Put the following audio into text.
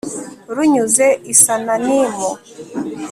runyuze i sananimu